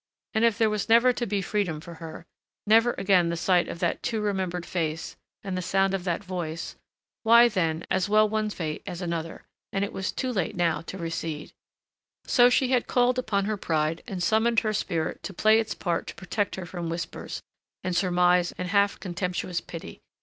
And if there was never to be freedom for her ... never again the sight of that too remembered face and the sound of that voice why, then, as well one fate as another. And it was too late now to recede. So she had called upon her pride and summoned her spirit to play its part to protect her from whispers, and surmise and half contemptuous pity.